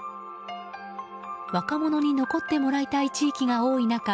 若者に残ってもらいたい地域が多い中